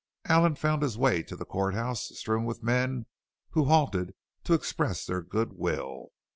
Allen found his way to the court house strewn with men who halted him to express their good will.